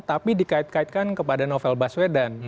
tapi dikait kaitkan kepada novel baswedan